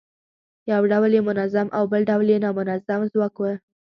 یو ډول یې منظم او بل ډول یې نامنظم ځواک و.